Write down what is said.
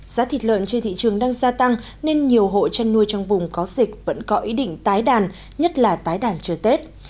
giá thịt lợn trên thị trường đang gia tăng nên nhiều hộ chăn nuôi trong vùng có dịch vẫn có ý định tái đàn nhất là tái đàn trưa tết